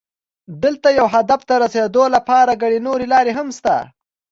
دلته یو هدف ته رسېدو لپاره ګڼې نورې لارې هم شته.